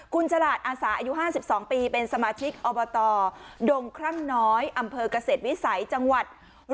คุณฉลาดอาสาอายุ๕๒ปีเป็นสมาชิกอบตดงครั่งน้อยอำเภอกเกษตรวิสัยจังหวัด๑๐